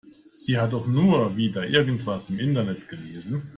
Sie hat doch nur wieder irgendwas im Internet gelesen.